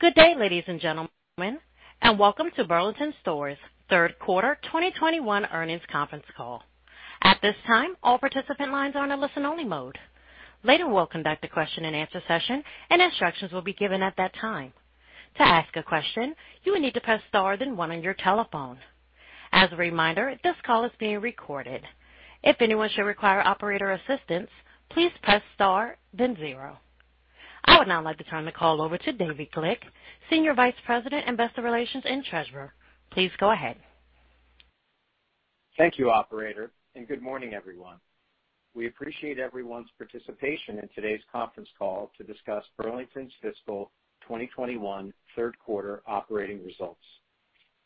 Good day, ladies and gentlemen, and welcome to Burlington Stores' Third Quarter 2021 Earnings Conference Call. At this time, all participant lines are in a listen-only mode. Later, we'll conduct a question-and-answer session and instructions will be given at that time. To ask a question, you will need to press star, then one on your telephone. As a reminder, this call is being recorded. If anyone should require operator assistance, please press star, then zero. I would now like to turn the call over to David Glick, Senior Vice President, Investor Relations, and Treasurer. Please go ahead. Thank you, operator, and good morning, everyone. We appreciate everyone's participation in today's conference call to discuss Burlington's fiscal 2021 third quarter operating results.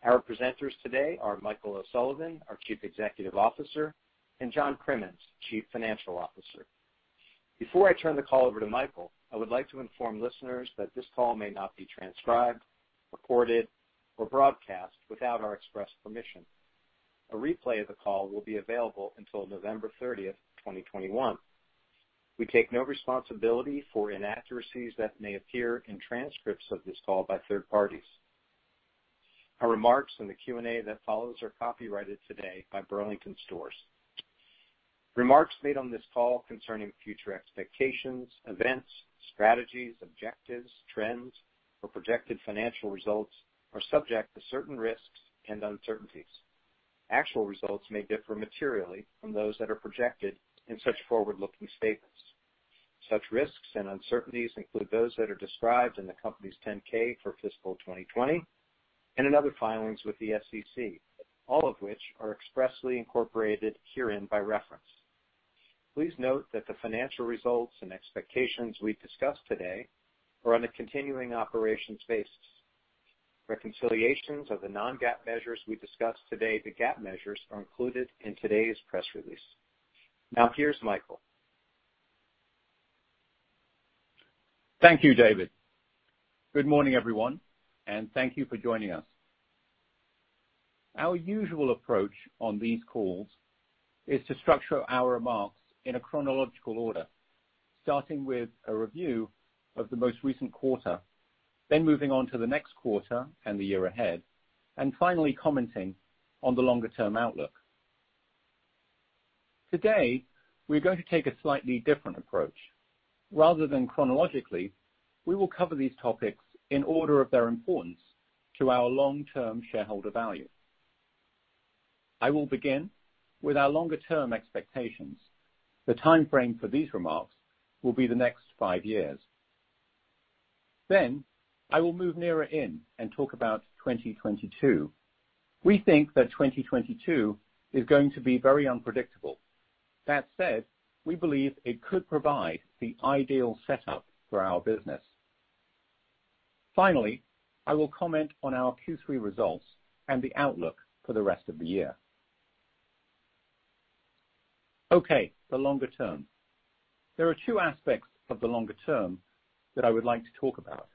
Our presenters today are Michael O'Sullivan, our Chief Executive Officer, and John Crimmins, Chief Financial Officer. Before I turn the call over to Michael, I would like to inform listeners that this call may not be transcribed, recorded, or broadcast without our express permission. A replay of the call will be available until November thirtieth, 2021. We take no responsibility for inaccuracies that may appear in transcripts of this call by third parties. Our remarks in the Q&A that follows are copyrighted today by Burlington Stores. Remarks made on this call concerning future expectations, events, strategies, objectives, trends, or projected financial results are subject to certain risks and uncertainties. Actual results may differ materially from those that are projected in such forward-looking statements. Such risks and uncertainties include those that are described in the company's 10-K for fiscal 2020 and in other filings with the SEC, all of which are expressly incorporated herein by reference. Please note that the financial results and expectations we discuss today are on a continuing operations basis. Reconciliations of the non-GAAP measures we discuss today to GAAP measures are included in today's press release. Now, here's Michael. Thank you, David. Good morning, everyone, and thank you for joining us. Our usual approach on these calls is to structure our remarks in a chronological order, starting with a review of the most recent quarter then moving on to the next quarter and the year ahead and finally commenting on the longer-term outlook. Today, we're going to take a slightly different approach. Rather than chronologically, we will cover these topics in order of their importance to our long-term shareholder value. I will begin with our longer-term expectations. The timeframe for these remarks will be the next five years. Then I will move nearer in and talk about 2022. We think that 2022 is going to be very unpredictable. That said, we believe it could provide the ideal setup for our business. Finally, I will comment on our Q3 results and the outlook for the rest of the year. Okay, the longer term. There are two aspects of the longer term that I would like to talk about.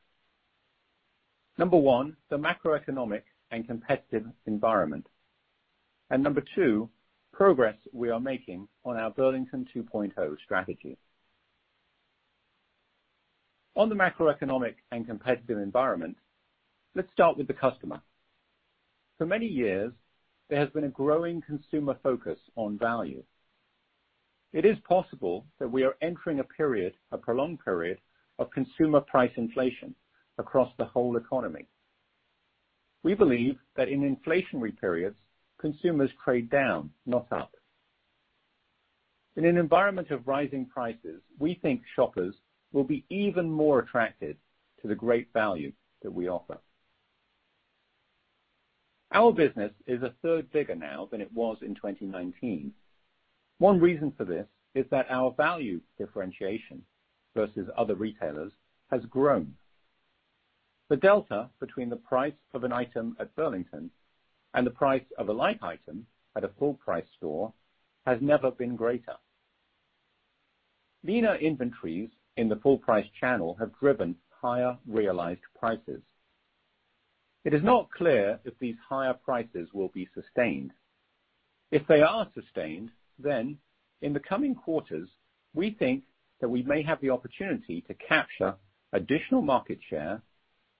Number one, the macroeconomic and competitive environment. Number two, progress we are making on our Burlington 2.0 strategy. On the macroeconomic and competitive environment, let's start with the customer. For many years, there has been a growing consumer focus on value. It is possible that we are entering a period, a prolonged period of consumer price inflation across the whole economy. We believe that in inflationary periods, consumers trade down, not up. In an environment of rising prices, we think shoppers will be even more attracted to the great value that we offer. Our business is a third bigger now than it was in 2019. One reason for this is that our value differentiation versus other retailers has grown. The delta between the price of an item at Burlington and the price of a like item at a full-price store has never been greater. Leaner inventories in the full-price channel have driven higher realized prices. It is not clear if these higher prices will be sustained. If they are sustained then in the coming quarters, we think that we may have the opportunity to capture additional market share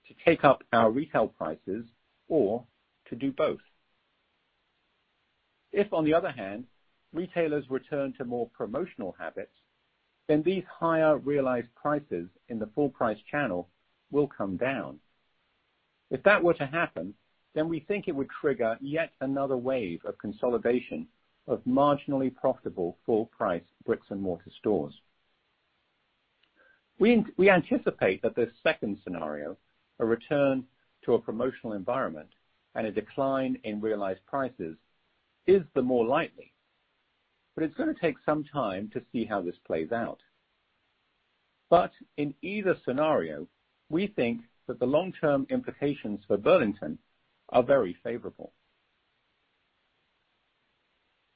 to take up our retail prices or to do both. If, on the other hand, retailers return to more promotional habits then these higher realized prices in the full-price channel will come down. If that were to happen then we think it would trigger yet another wave of consolidation of marginally profitable full-price bricks-and-mortar stores. We anticipate that this second scenario, a return to a promotional environment and a decline in realized prices, is the more likely but it's gonna take some time to see how this plays out. In either scenario, we think that the long-term implications for Burlington are very favorable.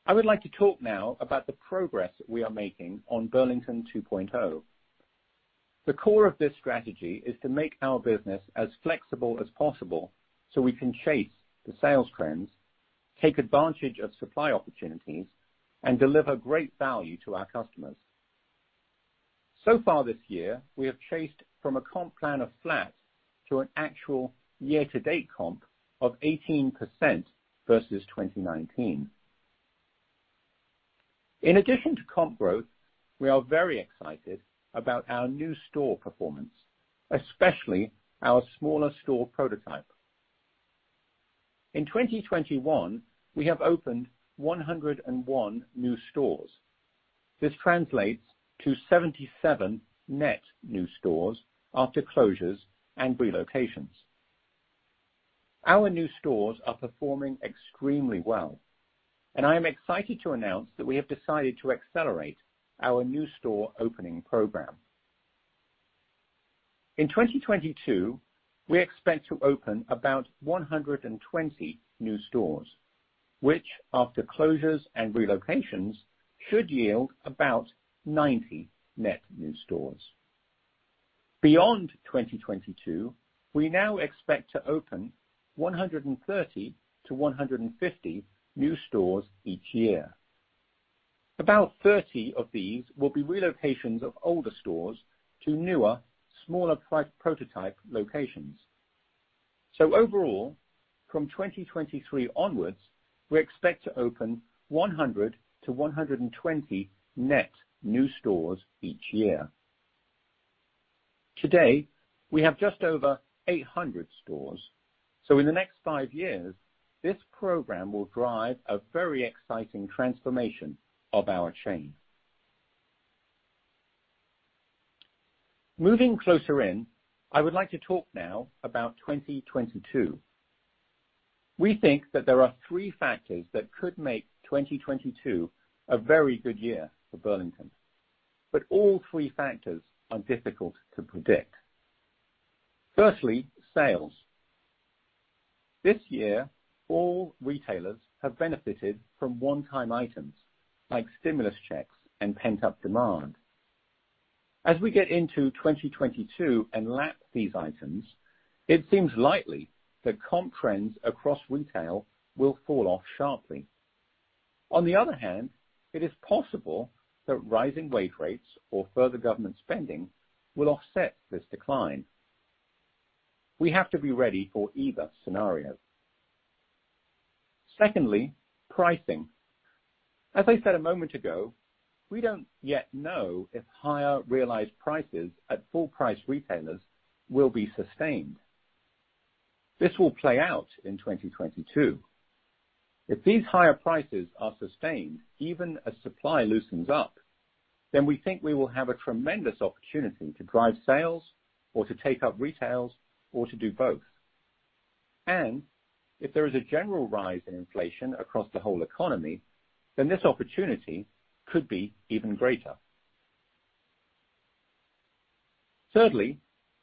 I would like to talk now about the progress we are making on Burlington 2.0. The core of this strategy is to make our business as flexible as possible so we can chase the sales trends, take advantage of supply opportunities and deliver great value to our customers. So far this year, we have chased from a comp plan of flat to an actual year-to-date comp of 18% versus 2019. In addition to comp growth, we are very excited about our new store performance especially our smaller store prototype. In 2021, we have opened 101 new stores. This translates to 77 net new stores after closures and relocations. Our new stores are performing extremely well, and I am excited to announce that we have decided to accelerate our new store opening program. In 2022, we expect to open about 120 new stores which after closures and relocations, should yield about 90 net new stores. Beyond 2022, we now expect to open 130 to 150 new stores each year. About 30 of these will be relocations of older stores to newer, smaller store prototype locations. Overall, from 2023 onwards, we expect to open 100 to 120 net new stores each year. Today, we have just over 800 stores, so in the next five years, this program will drive a very exciting transformation of our chain. Moving closer in, I would like to talk now about 2022. We think that there are three factors that could make 2022 a very good year for Burlington but all three factors are difficult to predict. Firstly, sales. This year, all retailers have benefited from one-time items like stimulus checks and pent-up demand. As we get into 2022 and lap these items, it seems likely that comp trends across retail will fall off sharply. On the other hand, it is possible that rising wage rates or further government spending will offset this decline. We have to be ready for either scenario. Secondly, pricing. As I said a moment ago, we don't yet know if higher realized prices at full price retailers will be sustained. This will play out in 2022. If these higher prices are sustained even as supply loosens up then we think we will have a tremendous opportunity to drive sales or to take up retails or to do both. If there is a general rise in inflation across the whole economy then this opportunity could be even greater. Thirdly,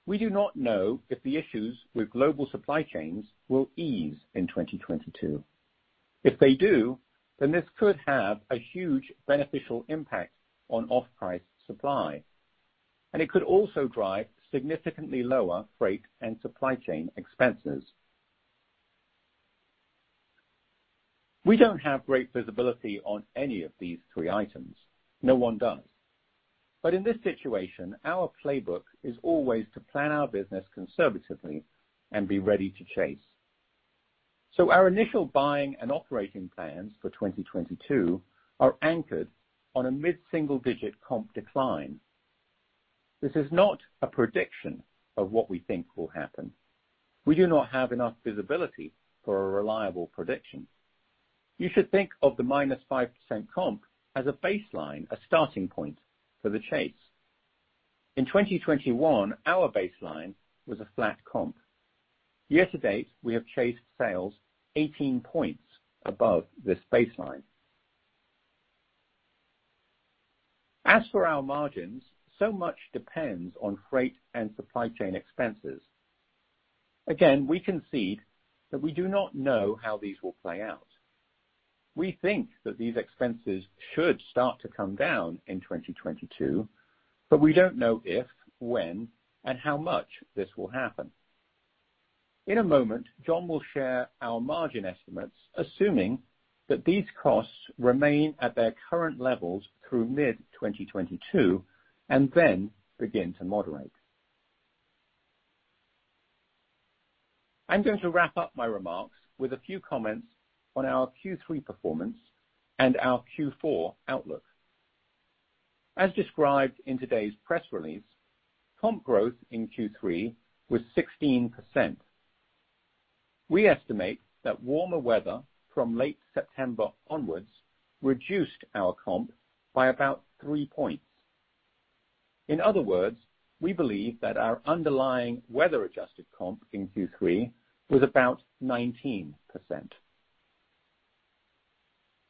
we do not know if the issues with global supply chains will ease in 2022. If they do then this could have a huge beneficial impact on off-price supply and it could also drive significantly lower freight and supply chain expenses. We don't have great visibility on any of these three items. No one does. In this situation, our playbook is always to plan our business conservatively and be ready to chase. Our initial buying and operating plans for 2022 are anchored on a mid-single-digit comp decline. This is not a prediction of what we think will happen. We do not have enough visibility for a reliable prediction. You should think of the -5% comp as a baseline, a starting point for the chase. In 2021, our baseline was a flat comp. Year to date, we have chased sales 18 points above this baseline. As for our margins, so much depends on freight and supply chain expenses. Again, we concede that we do not know how these will play out. We think that these expenses should start to come down in 2022, but we don't know if, when, and how much this will happen. In a moment, John will share our margin estimates, assuming that these costs remain at their current levels through mid-2022 and then begin to moderate. I'm going to wrap up my remarks with a few comments on our Q3 performance and our Q4 outlook. As described in today's press release, comp growth in Q3 was 16%. We estimate that warmer weather from late September onwards reduced our comp by about three points. In other words, we believe that our underlying weather-adjusted comp in Q3 was about 19%.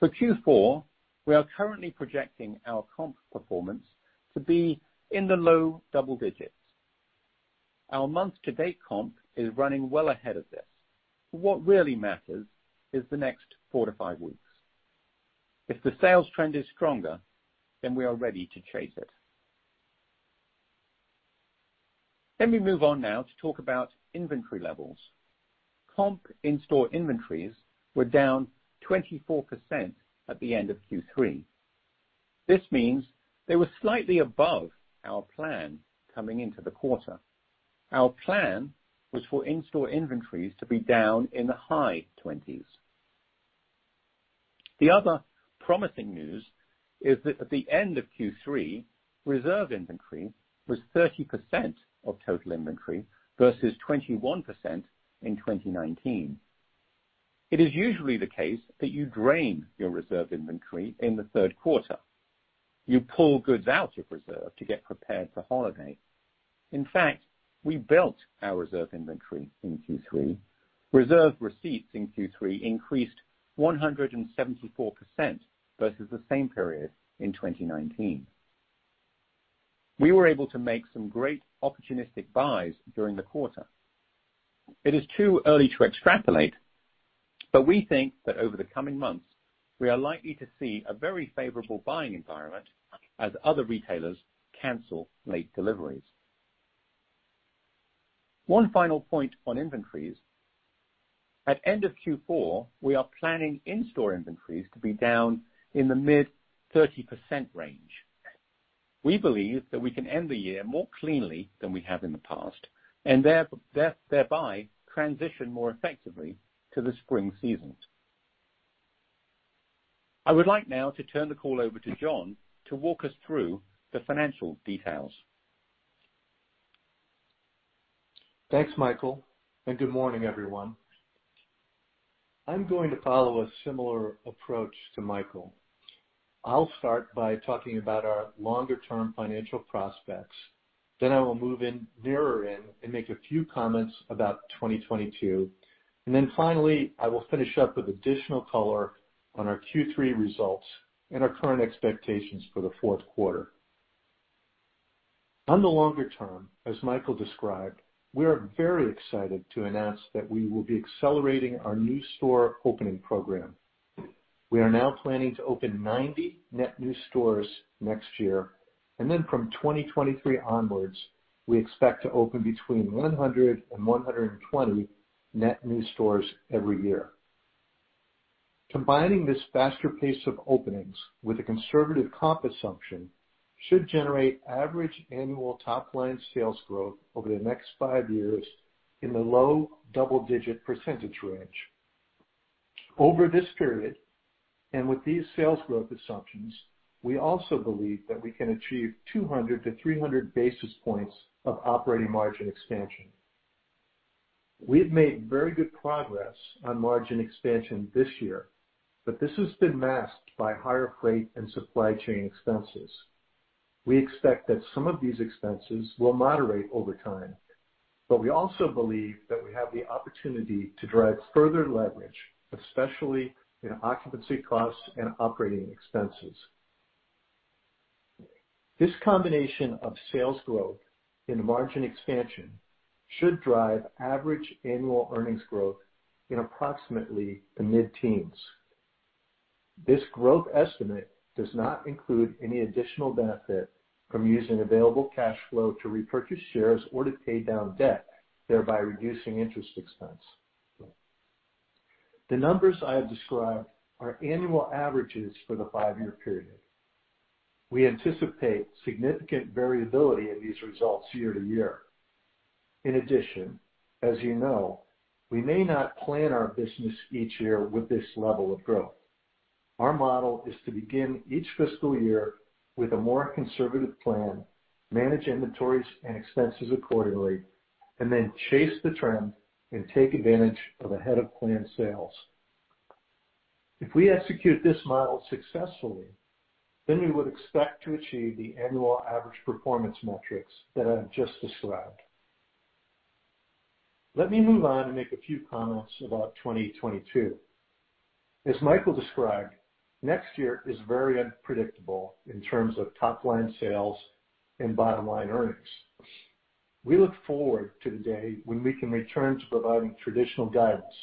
For Q4, we are currently projecting our comp performance to be in the low double digits. Our month-to-date comp is running well ahead of this. What really matters is the next four to five weeks. If the sales trend is stronger, then we are ready to chase it. Let me move on now to talk about inventory levels. Comp in-store inventories were down 24% at the end of Q3. This means they were slightly above our plan coming into the quarter. Our plan was for in-store inventories to be down in the high 20s. The other promising news is that at the end of Q3, reserve inventory was 30% of total inventory versus 21% in 2019. It is usually the case that you drain your reserve inventory in the third quarter. You pull goods out of reserve to get prepared for holiday. In fact, we built our reserve inventory in Q3. Reserve receipts in Q3 increased 174% versus the same period in 2019. We were able to make some great opportunistic buys during the quarter. It is too early to extrapolate but we think that over the coming months, we are likely to see a very favorable buying environment as other retailers cancel late deliveries. One final point on inventories. At end of Q4, we are planning in-store inventories to be down in the mid-30% range. We believe that we can end the year more cleanly than we have in the past and thereby transition more effectively to the spring seasons. I would like now to turn the call over to John to walk us through the financial details. Thanks, Michael, and good morning, everyone. I'm going to follow a similar approach to Michael. I'll start by talking about our longer term financial prospects. I will move in, nearer in and make a few comments about 2022. Finally, I will finish up with additional color on our Q3 results and our current expectations for the fourth quarter. On the longer term, as Michael described, we are very excited to announce that we will be accelerating our new store opening program. We are now planning to open 90 net new stores next year, and then from 2023 onwards, we expect to open between 100 and 120 net new stores every year. Combining this faster pace of openings with a conservative comp assumption should generate average annual top line sales growth over the next five years in the low double-digit percentage range. Over this period, and with these sales growth assumptions, we also believe that we can achieve 200 to 300 basis points of operating margin expansion. We've made very good progress on margin expansion this year but this has been masked by higher freight and supply chain expenses. We expect that some of these expenses will moderate over time but we also believe that we have the opportunity to drive further leverage, especially in occupancy costs and operating expenses. This combination of sales growth and margin expansion should drive average annual earnings growth in approximately the mid-teens. This growth estimate does not include any additional benefit from using available cash flow to repurchase shares or to pay down debt thereby reducing interest expense. The numbers I have described are annual averages for the five-year period. We anticipate significant variability in these results year-to-year. In addition, as you know, we may not plan our business each year with this level of growth. Our model is to begin each fiscal year with a more conservative plan, manage inventories and expenses accordingly, and then chase the trend and take advantage of ahead of plan sales. If we execute this model successfully, we would expect to achieve the annual average performance metrics that I've just described. Let me move on and make a few comments about 2022. As Michael described, next year is very unpredictable in terms of top line sales and bottom line earnings. We look forward to the day when we can return to providing traditional guidance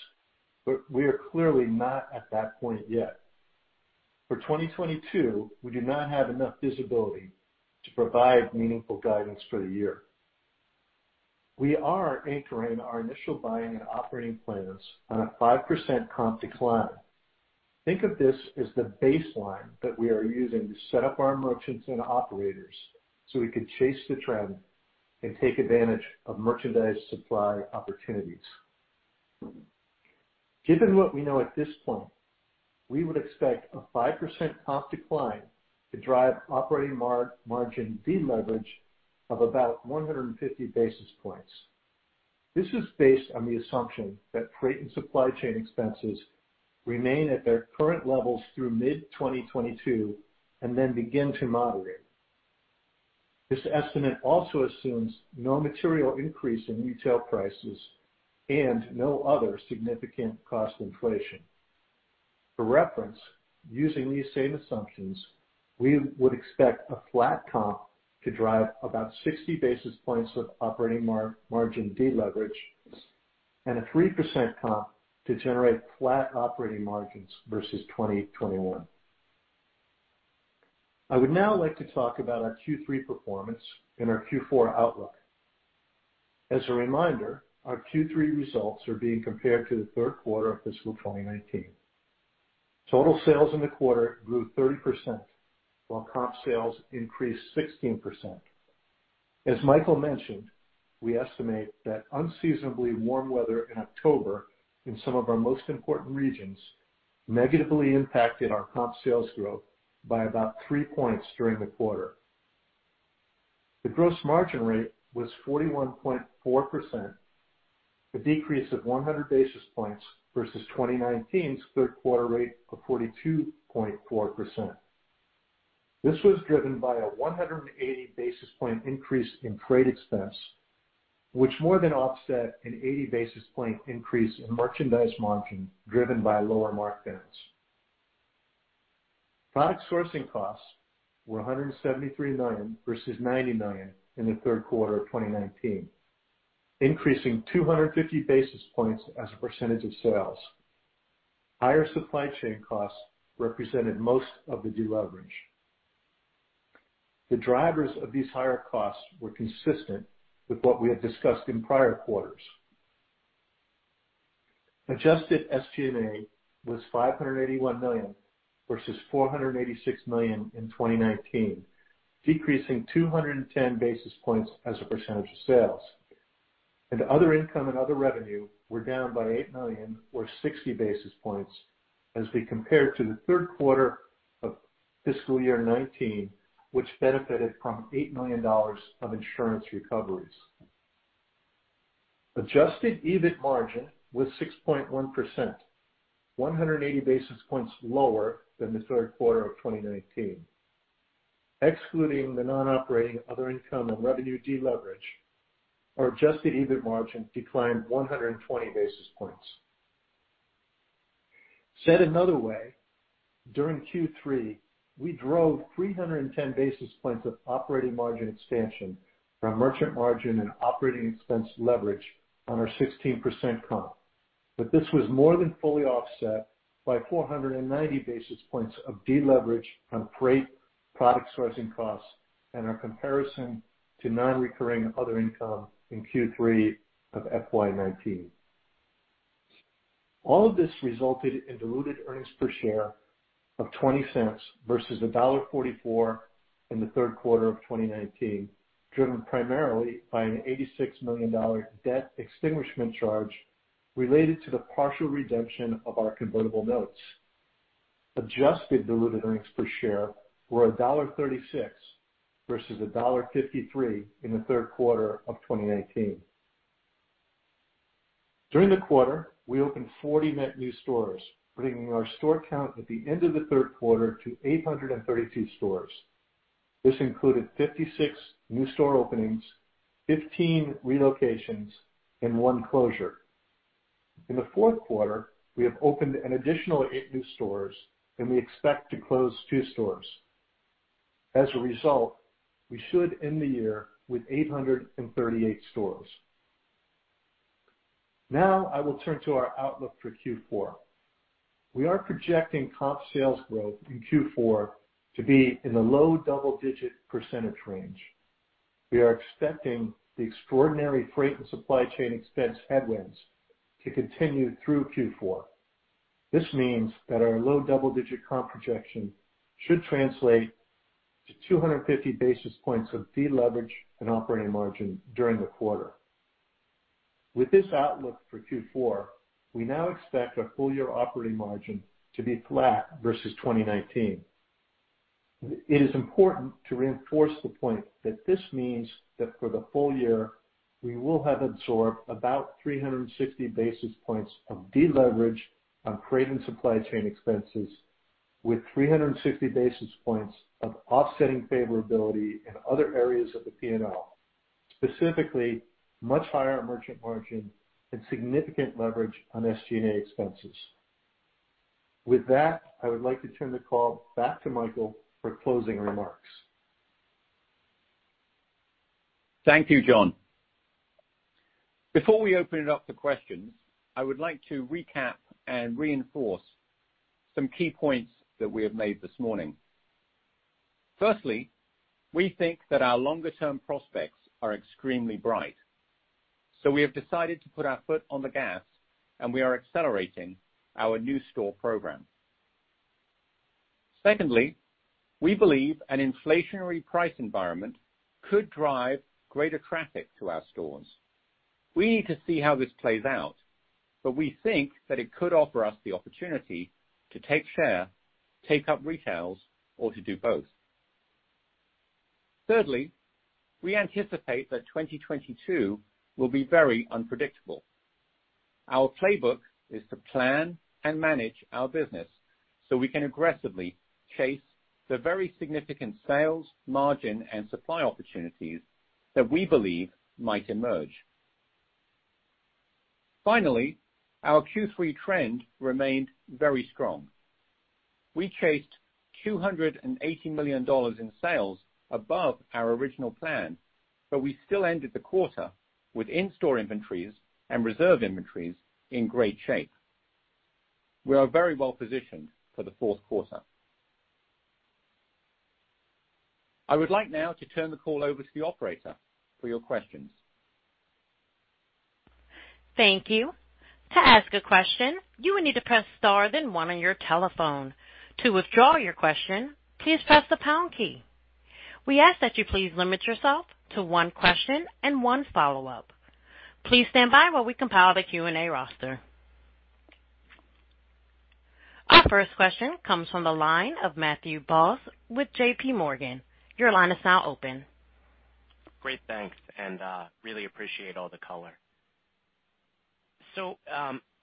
but we are clearly not at that point yet. For 2022, we do not have enough visibility to provide meaningful guidance for the year. We are anchoring our initial buying and operating plans on a 5% comp decline. Think of this as the baseline that we are using to set up our merchants and operators, so we can chase the trend and take advantage of merchandise supply opportunities. Given what we know at this point, we would expect a 5% comp decline to drive operating margin deleverage of about 150 basis points. This is based on the assumption that freight and supply chain expenses remain at their current levels through mid-2022 and then begin to moderate. This estimate also assumes no material increase in retail prices and no other significant cost inflation. For reference, using these same assumptions, we would expect a flat comp to drive about 60 basis points of operating margin deleverage and a 3% comp to generate flat operating margins versus 2021. I would now like to talk about our Q3 performance and our Q4 outlook. As a reminder, our Q3 results are being compared to the third quarter of fiscal 2019. Total sales in the quarter grew 30%, while comp sales increased 16%. As Michael mentioned, we estimate that unseasonably warm weather in October in some of our most important regions negatively impacted our comp sales growth by about three points during the quarter. The gross margin rate was 41.4%, a decrease of 100 basis points versus 2019's third quarter rate of 42.4%. This was driven by a 180 basis point increase in freight expense which more than offset an 80 basis point increase in merchandise margin driven by lower markdowns. Product sourcing costs were $173 million versus $90 million in the third quarter of 2019, increasing 250 basis points as a percentage of sales. Higher supply chain costs represented most of the deleverage. The drivers of these higher costs were consistent with what we had discussed in prior quarters. Adjusted SG&A was $581 million versus $486 million in 2019, decreasing 210 basis points as a percentage of sales. Other income and other revenue were down by $8 million or 60 basis points as we compare to the third quarter of fiscal year 2019, which benefited from $8 million of insurance recoveries. Adjusted EBIT margin was 6.1%, 180 basis points lower than the third quarter of 2019. Excluding the non-operating other income and revenue deleverage, our Adjusted EBIT margin declined 120 basis points. Said another way, during Q3, we drove 310 basis points of operating margin expansion from merchant margin and operating expense leverage on our 16% comp, but this was more than fully offset by 490 basis points of deleverage from freight, product sourcing costs, and our comparison to non-recurring other income in Q3 of FY 2019. All of this resulted in diluted earnings per share of $0.20 versus $1.44 in the third quarter of 2019, driven primarily by an $86 million debt extinguishment charge related to the partial redemption of our convertible notes. Adjusted diluted earnings per share were $1.36 versus $1.53 in the third quarter of 2019. During the quarter, we opened 40 net new stores, bringing our store count at the end of the third quarter to 832 stores. This included 56 new store openings, 15 relocations, and 1 closure. In the fourth quarter, we have opened an additional 8 new stores, and we expect to close 2 stores. As a result, we should end the year with 838 stores. Now I will turn to our outlook for Q4. We are projecting comp sales growth in Q4 to be in the low double-digit % range. We are expecting the extraordinary freight and supply chain expense headwinds to continue through Q4. This means that our low double-digit comp projection should translate to 250 basis points of deleverage and operating margin during the quarter. With this outlook for Q4, we now expect our full year operating margin to be flat versus 2019. It is important to reinforce the point that this means that for the full year, we will have absorbed about 360 basis points of deleverage on freight and supply chain expenses with 360 basis points of offsetting favorability in other areas of the P&L, specifically much higher merchant margin and significant leverage on SG&A expenses. With that, I would like to turn the call back to Michael for closing remarks. Thank you, John. Before we open it up to questions, I would like to recap and reinforce some key points that we have made this morning. Firstly, we think that our longer-term prospects are extremely bright, so we have decided to put our foot on the gas and we are accelerating our new store program. Secondly, we believe an inflationary price environment could drive greater traffic to our stores. We need to see how this plays out but we think that it could offer us the opportunity to take share, take up retails or to do both. Thirdly, we anticipate that 2022 will be very unpredictable. Our playbook is to plan and manage our business, so we can aggressively chase the very significant sales, margin, and supply opportunities that we believe might emerge. Finally, our Q3 trend remained very strong. We chased $280 million in sales above our original plan but we still ended the quarter with in-store inventories and reserve inventories in great shape. We are very well positioned for the fourth quarter. I would like now to turn the call over to the operator for your questions. Thank you. To ask a question, you will need to press star then one on your telephone. To withdraw your question, please press the pound key. We ask that you please limit yourself to one question and one follow-up. Please stand by while we compile the Q&A roster. Our first question comes from the line of Matthew Boss with JP Morgan. Your line is now open. Great, thanks, and really appreciate all the color.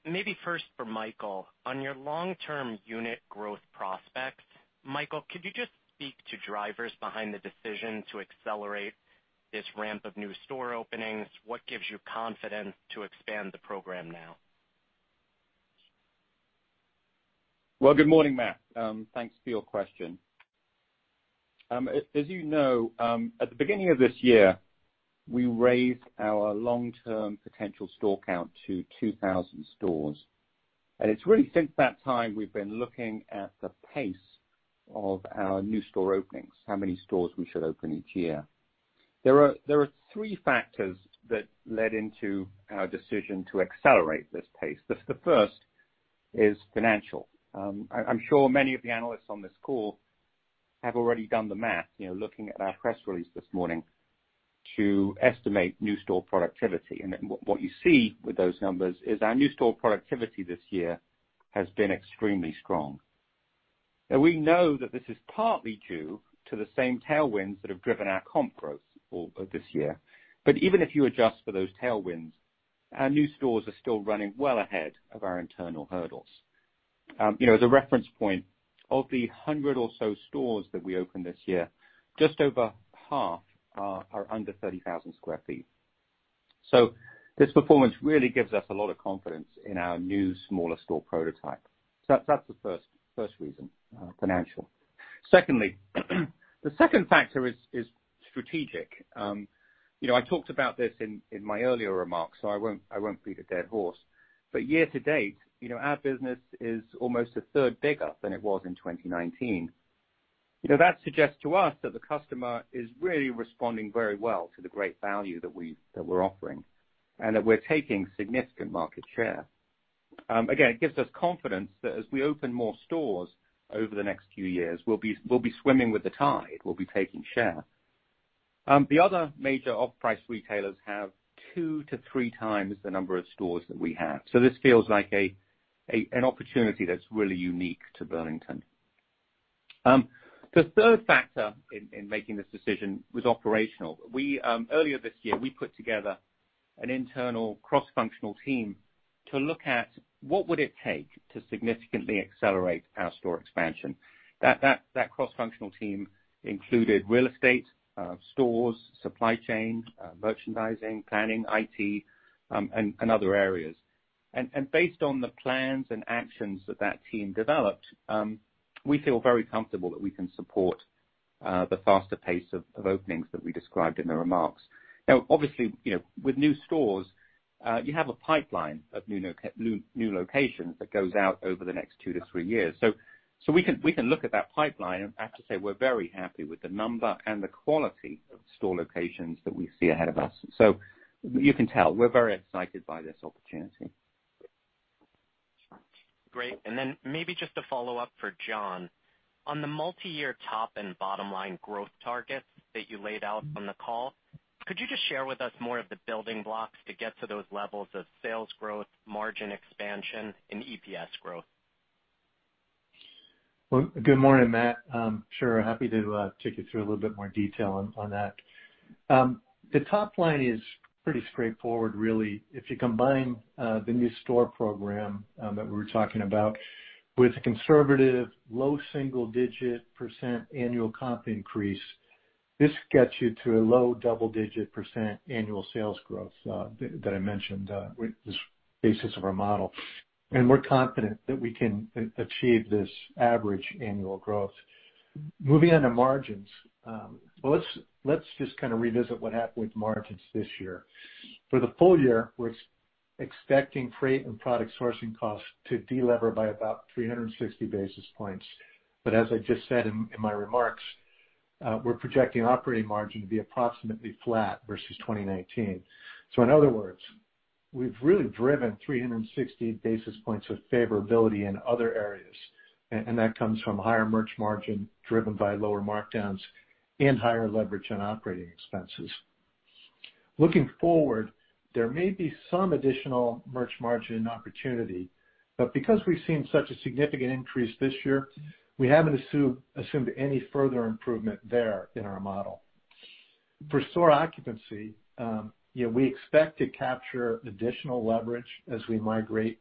Maybe first for Michael, on your long-term unit growth prospects, Michael, could you just speak to drivers behind the decision to accelerate this ramp of new store openings? What gives you confidence to expand the program now? Well, good morning, Matt. Thanks for your question. As you know, at the beginning of this year, we raised our long-term potential store count to 2,000 stores. It's really since that time we've been looking at the pace of our new store openings, how many stores we should open each year. There are three factors that led into our decision to accelerate this pace. The first is financial. I'm sure many of the analysts on this call have already done the math, you know, looking at our press release this morning to estimate new store productivity. What you see with those numbers is our new store productivity this year has been extremely strong. Now we know that this is partly due to the same tailwinds that have driven our comp growth all of this year. Even if you adjust for those tailwinds, our new stores are still running well ahead of our internal hurdles. You know, as a reference point, of the 100 or so stores that we opened this year, just over half are under 30,000 sq ft. So this performance really gives us a lot of confidence in our new smaller store prototype. So that's the first reason, financial. Secondly, the second factor is strategic. You know, I talked about this in my earlier remarks, so I won't beat a dead horse. Year to date, you know, our business is almost a third bigger than it was in 2019. You know, that suggests to us that the customer is really responding very well to the great value that we're offering and that we're taking significant market share. Again, it gives us confidence that as we open more stores over the next few years, we'll be swimming with the tide, we'll be taking share. The other major off-price retailers have two to three times the number of stores that we have. This feels like an opportunity that's really unique to Burlington. The third factor in making this decision was operational. Earlier this year, we put together an internal cross-functional team to look at what would it take to significantly accelerate our store expansion. That cross-functional team included real estate, stores, supply chain, merchandising, planning, IT, and other areas. Based on the plans and actions that team developed, we feel very comfortable that we can support the faster pace of openings that we described in the remarks. Now, obviously, you know, with new stores, you have a pipeline of new locations that goes out over the next two to three years. We can look at that pipeline and I have to say we're very happy with the number and the quality of store locations that we see ahead of us. You can tell we're very excited by this opportunity. Great. Maybe just a follow-up for John. On the multi-year top and bottom line growth targets that you laid out on the call, could you just share with us more of the building blocks to get to those levels of sales growth, margin expansion, and EPS growth? Good morning, Matt. Sure. Happy to take you through a little bit more detail on that. The top line is pretty straightforward, really. If you combine the new store program that we were talking about with a conservative low single-digit percent annual comp increase, this gets you to a low double-digit percent annual sales growth that I mentioned with this basis of our model. We're confident that we can achieve this average annual growth. Moving on to margins. Well, let's just revisit what happened with margins this year. For the full year, we're expecting freight and product sourcing costs to delever by about 360 basis points. As I just said in my remarks, we're projecting operating margin to be approximately flat versus 2019. In other words, we've really driven 360 basis points of favorability in other areas and that comes from higher merch margin driven by lower markdowns and higher leverage on operating expenses. Looking forward, there may be some additional merch margin opportunity but because we've seen such a significant increase this year, we haven't assumed any further improvement there in our model. For store occupancy, you know, we expect to capture additional leverage as we migrate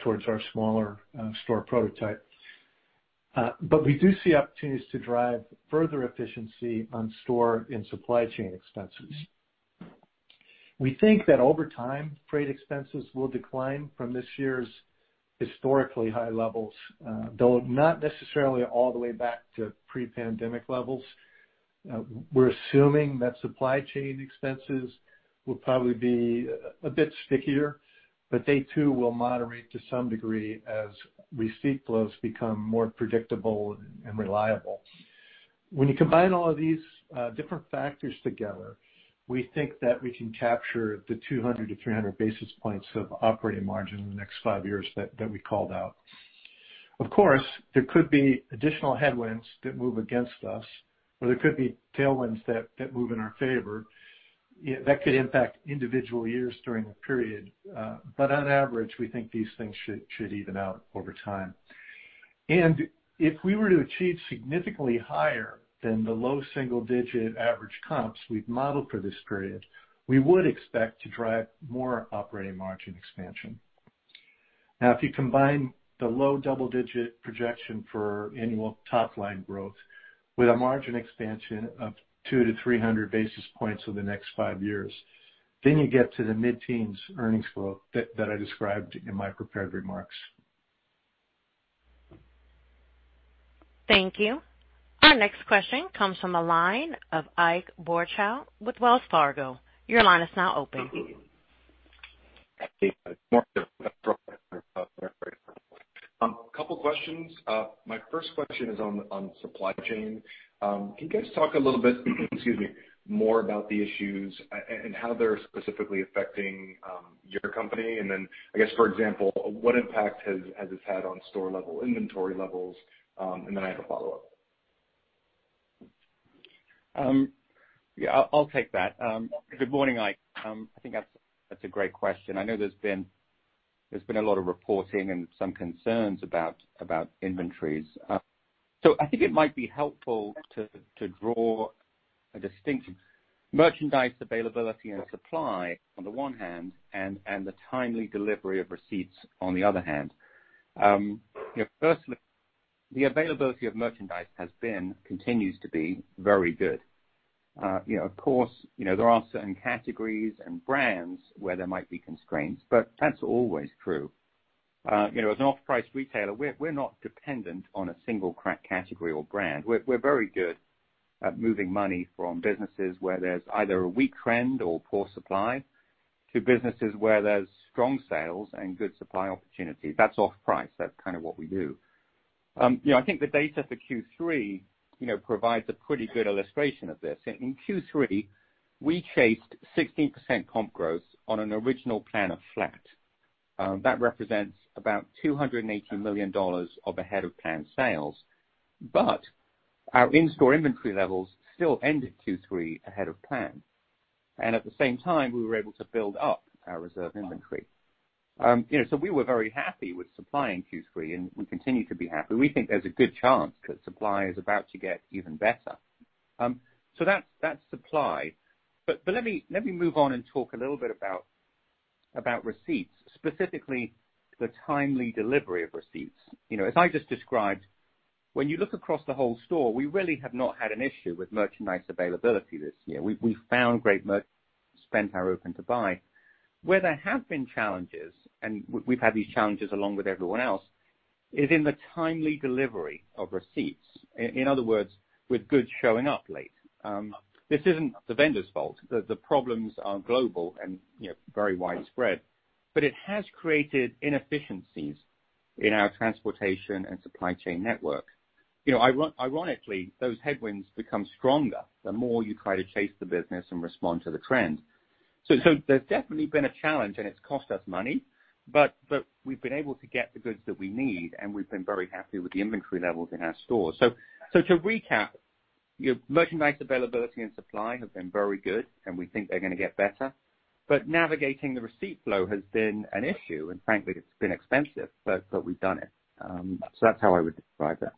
toward our smaller store prototype. We do see opportunities to drive further efficiency on store and supply chain expenses. We think that over time, freight expenses will decline from this year's historically high levels, though not necessarily all the way back to pre-pandemic levels. We're assuming that supply chain expenses will probably be a bit stickier but they too will moderate to some degree as receipt flows become more predictable and reliable. When you combine all of these different factors together, we think that we can capture the 200 to 300 basis points of operating margin in the next five years that we called out. Of course, there could be additional headwinds that move against us or there could be tailwinds that move in our favor. That could impact individual years during the period. On average, we think these things should even out over time. If we were to achieve significantly higher than the low single digit average comps we've modelled for this period, we would expect to drive more operating margin expansion. Now, if you combine the low double-digit projection for annual top line growth with a margin expansion of 200 to 300 basis points over the next five years, then you get to the mid-teens earnings flow that I described in my prepared remarks. Thank you. Our next question comes from the line of Ike Boruchow with Wells Fargo. Your line is now open. A couple questions. My first question is on supply chain. Can you guys talk a little bit, excuse me, more about the issues and how they're specifically affecting your company? Then, I guess, for example, what impact has this had on store level inventory levels? I have a follow up. Yeah, I'll take that. Good morning, Ike. I think that's a great question. I know there's been a lot of reporting and some concerns about inventories. So I think it might be helpful to draw a distinction. Merchandise availability and supply on the one hand and the timely delivery of receipts on the other hand. Firstly, the availability of merchandise has been, continues to be very good. You know, of course, you know, there are certain categories and brands where there might be constraints but that's always true. You know, as an off-price retailer, we're not dependent on a single category or brand. We're very good at moving money from businesses where there's either a weak trend or poor supply to businesses where there's strong sales and good supply opportunity. That's off-price. That's kind of what we do. You know, I think the data for Q3 provides a pretty good illustration of this. In Q3, we chased 16% comp growth on an original plan of flat. That represents about $280 million of ahead of plan sales but our in-store inventory levels still ended Q3 ahead of plan. And at the same time, we were able to build up our reserve inventory. You know, so we were very happy with supply in Q3, and we continue to be happy. We think there's a good chance that supply is about to get even better. So that's supply. Let me move on and talk a little bit about receipts, specifically the timely delivery of receipts. You know, as I just described, when you look across the whole store, we really have not had an issue with merchandise availability this year. We found great merch, spent our open to buy. Where there have been challenges and we've had these challenges along with everyone else, is in the timely delivery of receipts. In other words, with goods showing up late. This isn't the vendor's fault. The problems are global and, you know, very widespread. It has created inefficiencies in our transportation and supply chain network. You know, ironically, those headwinds become stronger the more you try to chase the business and respond to the trend. There's definitely been a challenge and it's cost us money, but we've been able to get the goods that we need and we've been very happy with the inventory levels in our stores. To recap, your merchandise availability and supply have been very good, and we think they're gonna get better. Navigating the receipt flow has been an issue and frankly, it's been expensive but we've done it. That's how I would describe that.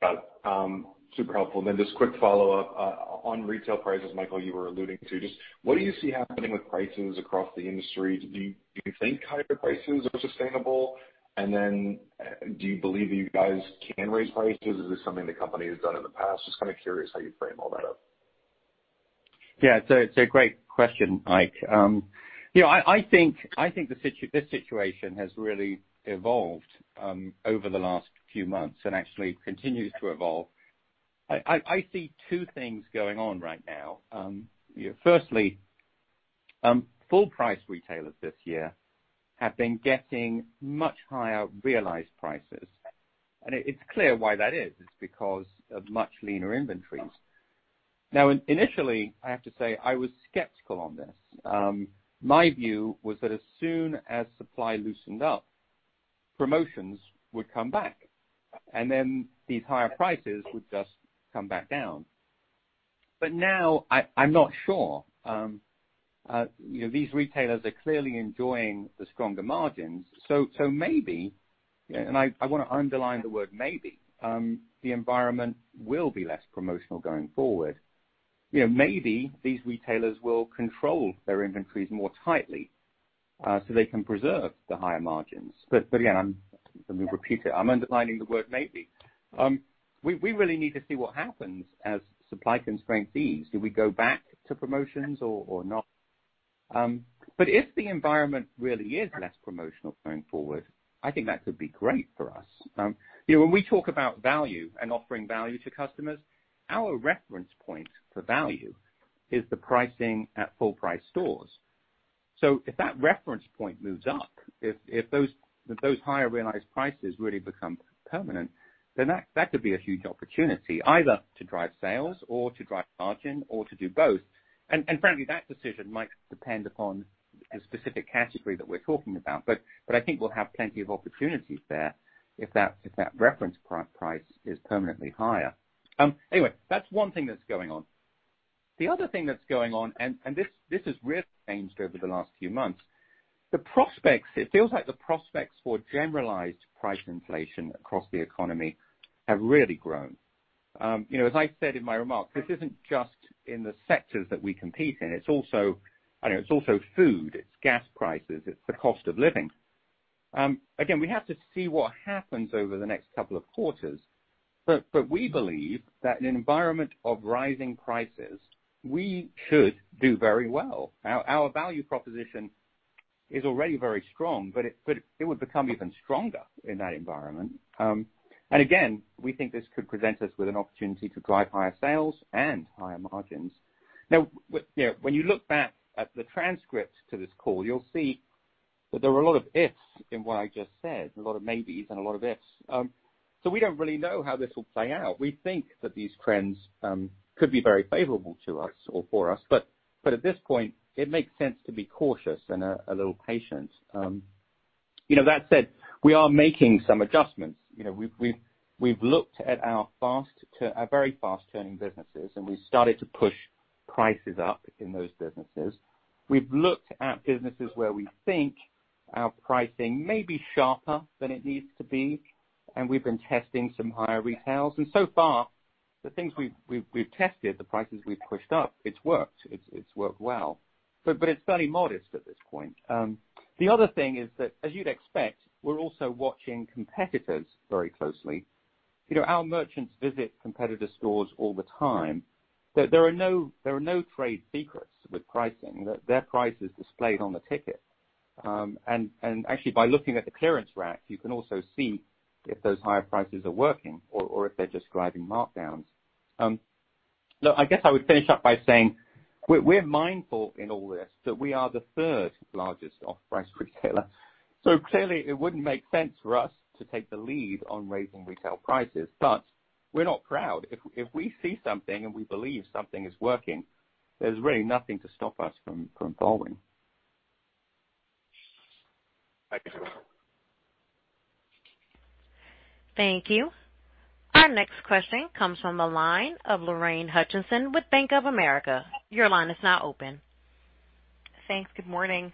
Got it. Super helpful. Just quick follow-up on retail prices, Michael, you were alluding to. Just what do you see happening with prices across the industry? Do you think higher prices are sustainable? Do you believe that you guys can raise prices? Is this something the company has done in the past? Just kind of curious how you frame all that up. Yeah. It's a great question, Ike. You know, I think this situation has really evolved over the last few months and actually continues to evolve. I see two things going on right now. Firstly, full price retailers this year have been getting much higher realized prices and it's clear why that is. It's because of much leaner inventories. Now, initially, I have to say I was skeptical on this. My view was that as soon as supply loosened up, promotions would come back and then these higher prices would just come back down. Now I'm not sure. These retailers are clearly enjoying the stronger margins. Maybe, and I want to underline the word maybe, the environment will be less promotional going forward. You know, maybe these retailers will control their inventories more tightly, so they can preserve the higher margins. Again, I'm repeating, I'm underlining the word maybe. We really need to see what happens as supply constraints ease. Do we go back to promotions or not? If the environment really is less promotional going forward, I think that could be great for us. You know, when we talk about value and offering value to customers, our reference point for value is the pricing at full price stores. If that reference point moves up, if those higher realized prices really become permanent then that could be a huge opportunity either to drive sales or to drive margin or to do both. Frankly, that decision might depend upon the specific category that we're talking about. I think we'll have plenty of opportunities there if that reference price is permanently higher. Anyway, that's one thing that's going on. The other thing that's going on and this has really changed over the last few months. It feels like the prospects for generalized price inflation across the economy have really grown. You know, as I said in my remarks, this isn't just in the sectors that we compete in. It's also, I don't know, it's also food, it's gas prices, it's the cost of living. Again, we have to see what happens over the next couple of quarters. We believe that in an environment of rising prices, we should do very well. Our value proposition is already very strong but it would become even stronger in that environment. Again, we think this could present us with an opportunity to drive higher sales and higher margins. Now, you know, when you look back at the transcript to this call, you'll see that there were a lot of ifs in what I just said, a lot of maybes and a lot of ifs. We don't really know how this will play out. We think that these trends could be very favorable to us or for us. At this point, it makes sense to be cautious and a little patient. You know, that said, we are making some adjustments. You know, we've looked at our fast turning businesses, and we started to push prices up in those businesses. We've looked at businesses where we think our pricing may be sharper than it needs to be and we've been testing some higher retails. So far, the things we've tested, the prices we've pushed up, it's worked well but it's fairly modest at this point. The other thing is that, as you'd expect, we're also watching competitors very closely. You know, our merchants visit competitor stores all the time, that there are no trade secrets with pricing. Their price is displayed on the ticket. Actually by looking at the clearance rack, you can also see if those higher prices are working or if they're just driving markdowns. Look, I guess I would finish up by saying we're mindful in all this that we are the third largest off-price retailer. Clearly it wouldn't make sense for us to take the lead on raising retail prices. We're not proud. If we see something and we believe something is working, there's really nothing to stop us from following. Thank you. Thank you. Our next question comes from the line of Lorraine Hutchinson with Bank of America. Your line is now open. Thanks. Good morning.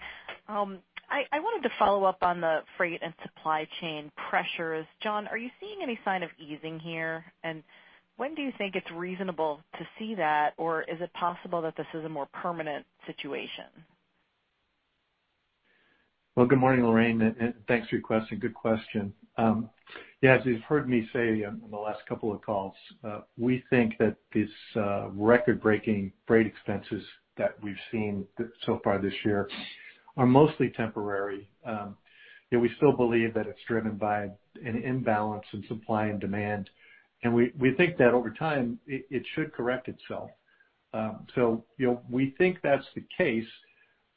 I wanted to follow up on the freight and supply chain pressures. John, are you seeing any sign of easing here? When do you think it's reasonable to see that? Is it possible that this is a more permanent situation? Well, good morning, Lorraine, and thanks for your question. Good question. Yeah, as you've heard me say in the last couple of calls, we think that these record-breaking freight expenses that we've seen so far this year are mostly temporary. We still believe that it's driven by an imbalance in supply and demand. We think that over time, it should correct itself. We think that's the case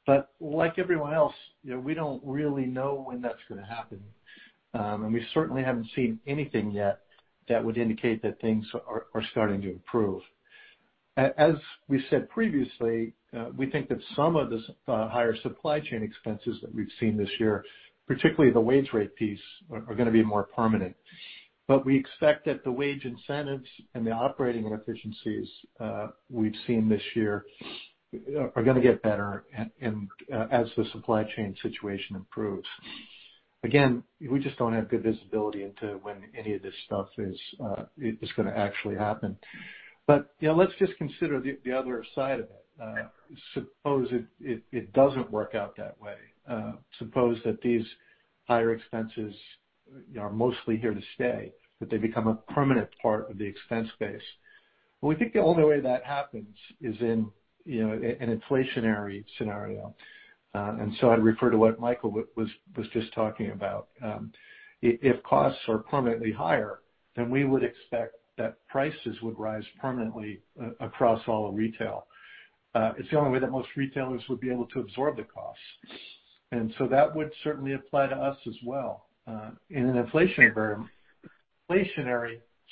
but like everyone else, we don't really know when that's gonna happen. We certainly haven't seen anything yet that would indicate that things are starting to improve. As we said previously, we think that some of the higher supply chain expenses that we've seen this year particularly the wage rate piece, are gonna be more permanent. We expect that the wage incentives and the operating efficiencies we've seen this year are gonna get better and as the supply chain situation improves. Again, we just don't have good visibility into when any of this stuff is gonna actually happen. You know, let's just consider the other side of it. Suppose it doesn't work out that way? Suppose that these higher expenses are mostly here to stay, that they become a permanent part of the expense base? Well, we think the only way that happens is in you know, an inflationary scenario. I'd refer to what Michael was just talking about. If costs are permanently higher then we would expect that prices would rise permanently across all of retail. It's the only way that most retailers would be able to absorb the costs. That would certainly apply to us as well. In an inflationary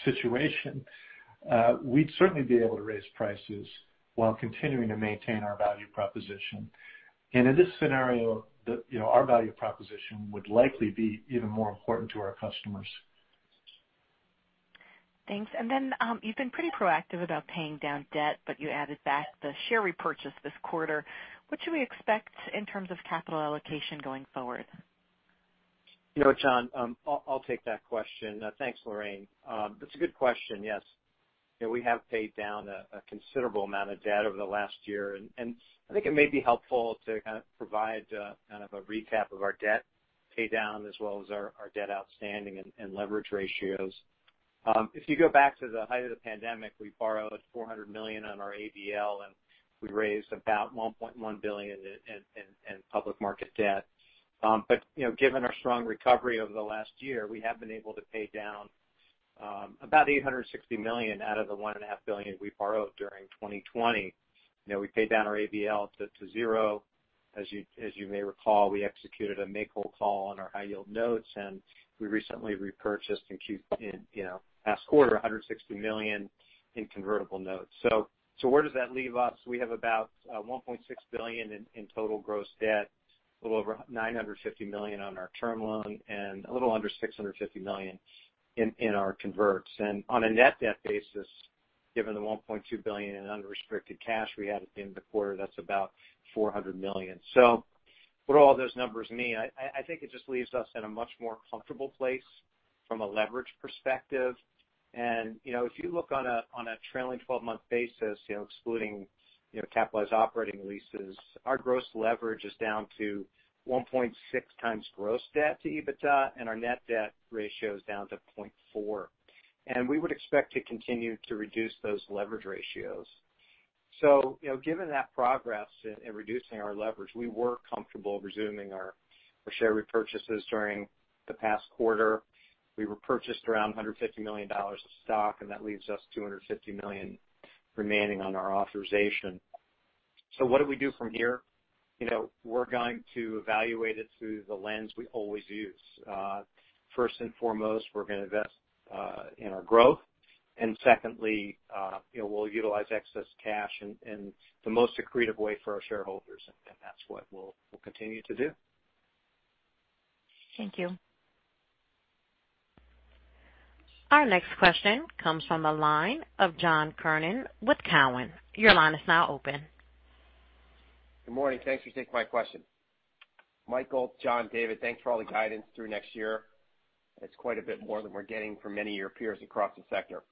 situation, we'd certainly be able to raise prices while continuing to maintain our value proposition. In this scenario, you know, our value proposition would likely be even more important to our customers. Thanks. You've been pretty proactive about paying down debt but you added back the share repurchase this quarter. What should we expect in terms of capital allocation going forward? You know, John, I'll take that question. Thanks, Lorraine. It's a good question. Yes, you know, we have paid down a considerable amount of debt over the last year and I think it may be helpful to kind of provide kind of a recap of our debt pay down as well as our debt outstanding and leverage ratios. If you go back to the height of the pandemic, we borrowed $400 million on our ABL and we raised about $1.1 billion in public market debt. Given our strong recovery over the last year, we have been able to pay down about $860 million out of the $1.5 billion we borrowed during 2020. You know, we paid down our ABL to zero. As you may recall, we executed a make-whole call on our high yield notes and we recently repurchased in, you know, last quarter, $160 million in convertible notes. Where does that leave us? We have about $1.6 billion in total gross debt, a little over $950 million on our term loan and a little under $650 million in our converts. On a net debt basis, given the $1.2 billion in unrestricted cash we had at the end of the quarter, that's about $400 million. What do all those numbers mean? I think it just leaves us in a much more comfortable place from a leverage perspective. You know, if you look on a trailing 12-month basis, you know, excluding you know, capitalized operating leases, our gross leverage is down to 1.6x gross debt to EBITDA, and our net debt ratio is down to 0.4x. We would expect to continue to reduce those leverage ratios. You know, given that progress in reducing our leverage, we were comfortable resuming our share repurchases during the past quarter. We repurchased around $150 million of stock and that leaves us $250 million remaining on our authorization. What do we do from here? You know, we're going to evaluate it through the lens we always use. First and foremost, we're gonna invest in our growth. Secondly, you know, we'll utilize excess cash in the most accretive way for our shareholders and that's what we'll continue to do. Thank you. Our next question comes from the line of John Kernan with Cowen. Your line is now open. Good morning. Thanks for taking my question. Michael, John, David, thanks for all the guidance through next year. It's quite a bit more than we're getting from many of your peers across the sector.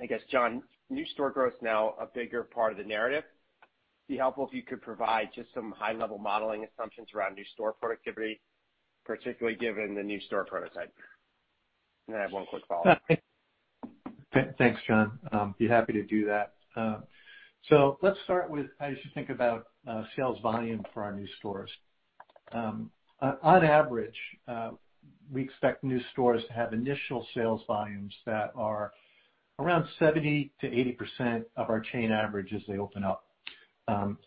I guess, John, new store growth is now a bigger part of the narrative. It'd be helpful if you could provide just some high level modelling assumptions around new store productivity, particularly given the new store prototype? I have one quick follow-up. Thanks, John. Be happy to do that. So let's start with how you should think about sales volume for our new stores. On average, we expect new stores to have initial sales volumes that are around 70% to 80% of our chain average as they open up.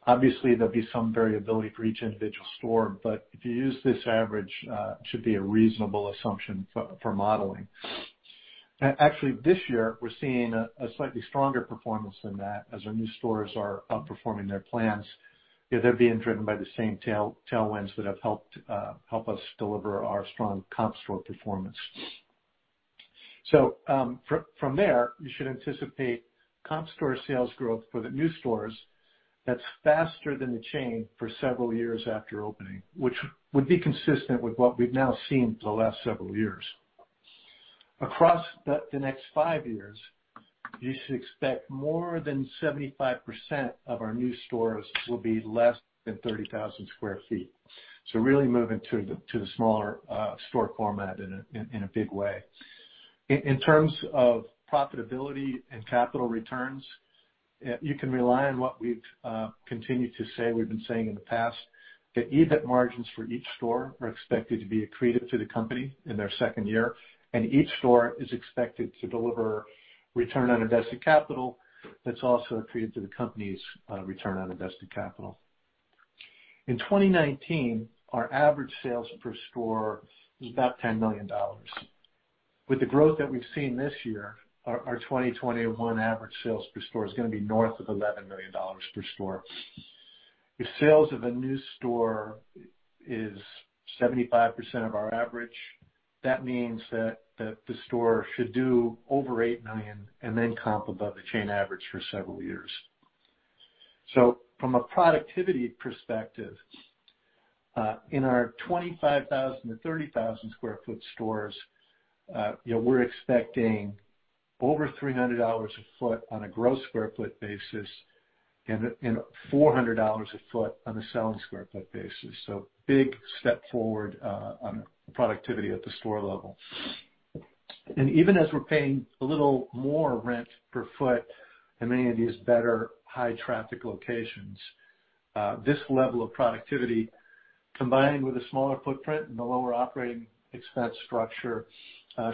Obviously, there'll be some variability for each individual store but if you use this average, it should be a reasonable assumption for modelling. Actually, this year, we're seeing a slightly stronger performance than that as our new stores are outperforming their plans. They're being driven by the same tailwinds that have helped us deliver our strong comp store performance. From there, you should anticipate comp store sales growth for the new stores that's faster than the chain for several years after opening, which would be consistent with what we've now seen for the last several years. Across the next five years, you should expect more than 75% of our new stores will be less than 30,000 sq ft. Really moving to the smaller store format in a big way. In terms of profitability and capital returns, you can rely on what we've continued to say we've been saying in the past that EBIT margins for each store are expected to be accretive to the company in their second year and each store is expected to deliver Return on Invested Capital that's also accretive to the company's Return on Invested Capital. In 2019, our average sales per store was about $10 million. With the growth that we've seen this year, our 2021 average sales per store is gonna be north of $11 million per store. If sales of a new store is 75% of our average, that means that the store should do over $8 million and then comp above the chain average for several years. From a productivity perspective, in our 25,000 to 30,000 sq ft stores, you know, we're expecting over $300 a sq ft on a gross sq ft basis and $400 a sq ft on a selling sq ft basis. Big step forward on productivity at the store level. Even as we're paying a little more rent per foot in many of these better high traffic locations, this level of productivity, combined with a smaller footprint and a lower operating expense structure,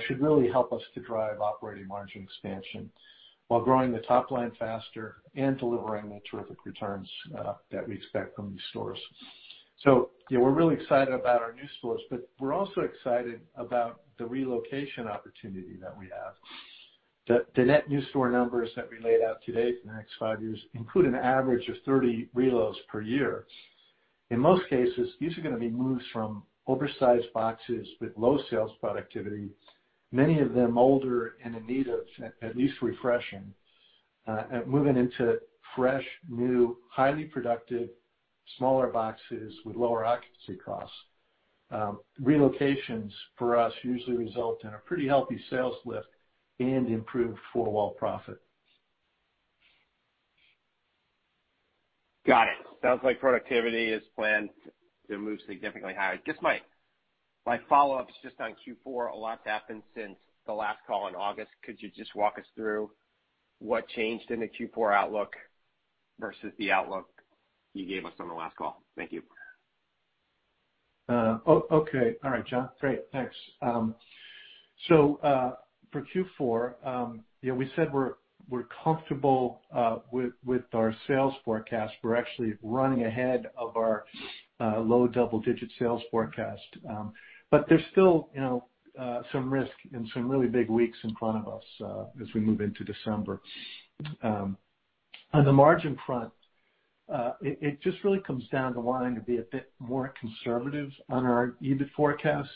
should really help us to drive operating margin expansion while growing the top line faster and delivering the terrific returns that we expect from these stores. You know, we're really excited about our new stores but we're also excited about the relocation opportunity that we have. The net new store numbers that we laid out today for the next five years include an average of 30 relocations per year. In most cases, these are gonna be moves from oversized boxes with low sales productivity, many of them older and in need of at least refreshing, moving into fresh, new, highly productive, smaller boxes with lower occupancy costs. Relocations for us usually result in a pretty healthy sales lift and improved four-wall profit. Got it. Sounds like productivity is planned to move significantly higher. Just my follow-up is just on Q4. A lot's happened since the last call in August. Could you just walk us through what changed in the Q4 outlook versus the outlook you gave us on the last call? Thank you. Okay. All right, John. Great. Thanks. For Q4, you know, we said we're comfortable with our sales forecast. We're actually running ahead of our low double-digit sales forecast. There's still, you know, some risk and some really big weeks in front of us as we move into December. On the margin front, it just really comes down to wanting to be a bit more conservative on our EBIT forecast.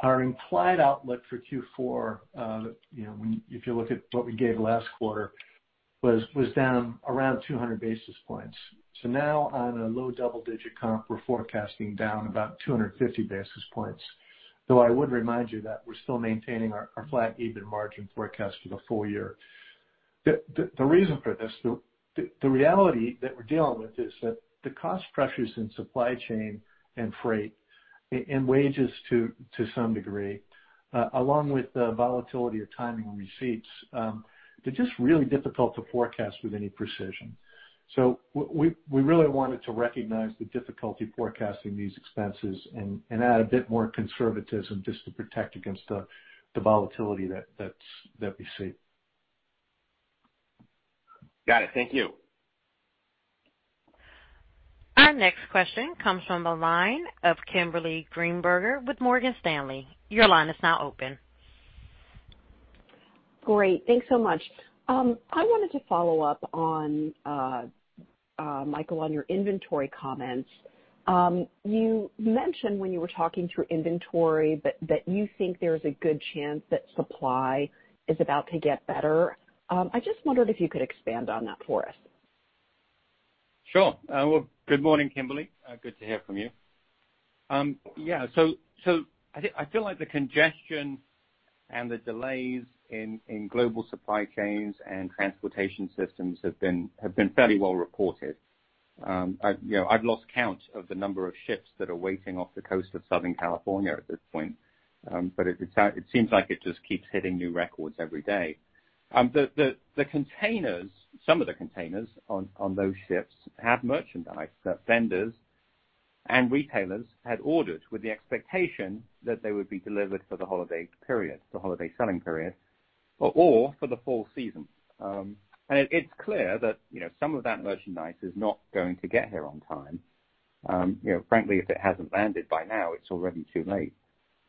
Our implied outlook for Q4, you know, if you look at what we gave last quarter, was down around 200 basis points. Now on a low double-digit comp, we're forecasting down about 250 basis points, though I would remind you that we're still maintaining our flat EBIT margin forecast for the full year. The reason for this, the reality that we're dealing with is that the cost pressures in supply chain and freight and wages to some degree along with the volatility of timing receipts, they're just really difficult to forecast with any precision. We really wanted to recognize the difficulty forecasting these expenses and add a bit more conservatism just to protect against the volatility that we see. Got it. Thank you. Our next question comes from the line of Kimberly Greenberger with Morgan Stanley. Your line is now open. Great. Thanks so much. I wanted to follow up on Michael on your inventory comments. You mentioned when you were talking through inventory that you think there's a good chance that supply is about to get better. I just wondered if you could expand on that for us. Sure. Well, good morning, Kimberly. Good to hear from you. Yeah. I feel like the congestion and the delays in global supply chains and transportation systems have been fairly well reported. You know, I've lost count of the number of ships that are waiting off the coast of Southern California at this point. It seems like it just keeps hitting new records every day. The containers, some of the containers on those ships have merchandise that vendors and retailers had ordered with the expectation that they would be delivered for the holiday period, the holiday selling period or for the full season. It’s clear that, you know, some of that merchandise is not going to get here on time. You know, frankly, if it hasn't landed by now, it's already too late.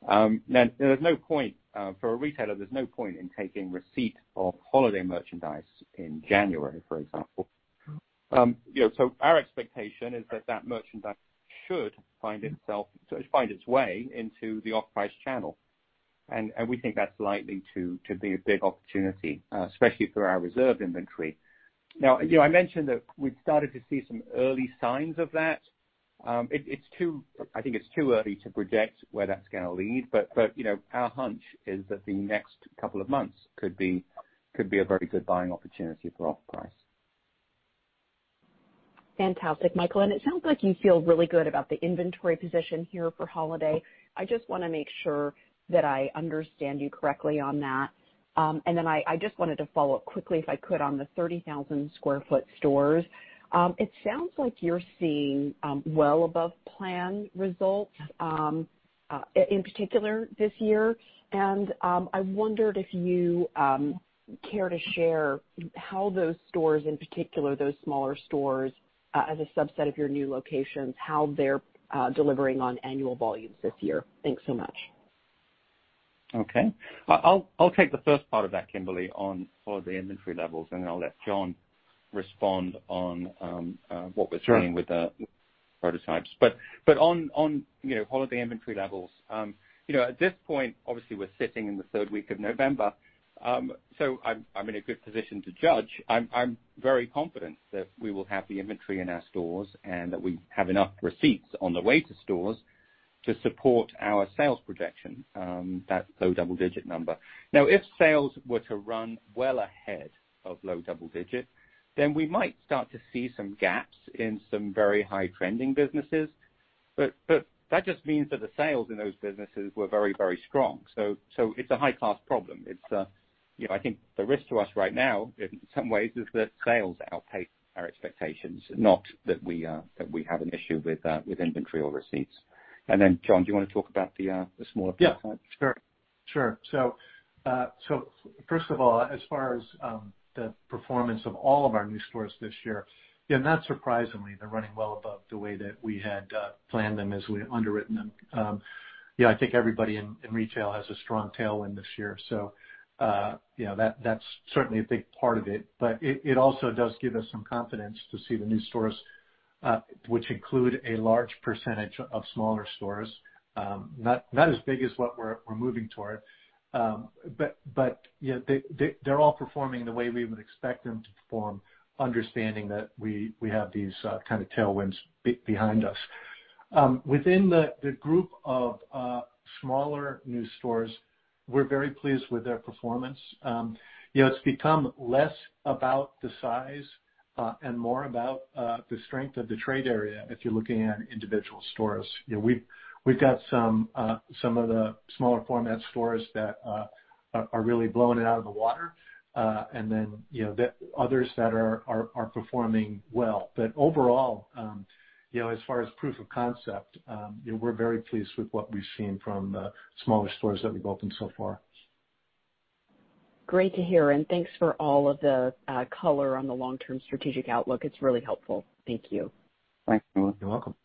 Now there's no point for a retailer in taking receipt of holiday merchandise in January, for example. You know, our expectation is that that merchandise should find its way into the off-price channel. And we think that's likely to be a big opportunity, especially for our reserve inventory. Now, you know, I mentioned that we've started to see some early signs of that. I think it's too early to project where that's gonna lead but you know, our hunch is that the next couple of months could be a very good buying opportunity for off-price. Fantastic, Michael. It sounds like you feel really good about the inventory position here for holiday. I just wanna make sure that I understand you correctly on that. I just wanted to follow up quickly, if I could, on the 30,000 sq ft stores. It sounds like you're seeing well above plan results in particular this year. I wondered if you care to share how those stores, in particular, those smaller stores as a subset of your new locations, how they're delivering on annual volumes this year? Thanks so much. Okay. I'll take the first part of that, Kimberly, on holiday inventory levels, and then I'll let John respond on what we're seeing. Sure. With the prototypes. On you know holiday inventory levels, you know, at this point, obviously we're sitting in the third week of November, so I'm in a good position to judge. I'm very confident that we will have the inventory in our stores and that we have enough receipts on the way to stores to support our sales projection, that low double digit number. Now, if sales were to run well ahead of low double digit then we might start to see some gaps in some very high trending businesses. That just means that the sales in those businesses were very, very strong. It's a high cost problem. It's, you know, I think the risk to us right now in some ways is that sales outpace our expectations not that we have an issue with inventory or receipts. Then John, do you wanna talk about the smaller prototypes? Yeah, sure. First of all, as far as the performance of all of our new stores this year, you know, not surprisingly, they're running well above the way that we had planned them as we underwritten them. You know, I think everybody in retail has a strong tailwind this year. You know, that's certainly a big part of it. It also does give us some confidence to see the new stores which include a large percentage of smaller stores not as big as what we're moving toward. You know, they're all performing the way we would expect them to perform, understanding that we have these tailwinds behind us. Within the group of smaller new stores, we're very pleased with their performance. You know, it's become less about the size and more about the strength of the trade area if you're looking at individual stores. You know, we've got some of the smaller format stores that are performing well. Overall, you know, as far as proof of concept, you know, we're very pleased with what we've seen from the smaller stores that we've opened so far. Great to hear, and thanks for all of the color on the long-term strategic outlook. It's really helpful. Thank you. Thanks. You're welcome.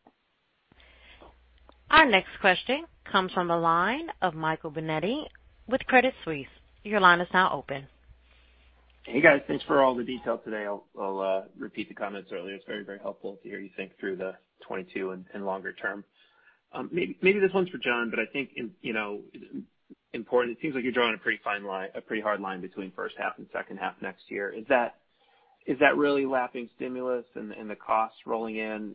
Our next question comes from the line of Michael Binetti with Credit Suisse. Your line is now open. Hey, guys. Thanks for all the detail today. I'll repeat the comments earlier. It's very helpful to hear you think through the 2022 and longer term. Maybe this one's for John, but I think it's, you know, important. It seems like you're drawing a pretty fine line, a pretty hard line between first half and second half next year. Is that really lapping stimulus and the costs rolling in